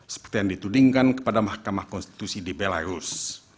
seperti yang ditudingkan kepada mahkamah konstitusi di bellarus